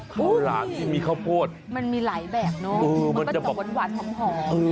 ข้าวหลามที่มีข้าวโพดมันมีหลายแบบเนอะมันก็จะหวานหอม